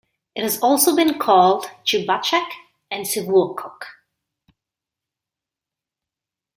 It has also been called "Chibuchack" and "Sevuokok".